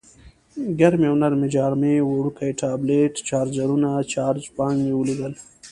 ګرمې او نرۍ جامې، وړوکی ټابلیټ، چارجرونه، چارج بانک مې ولیدل.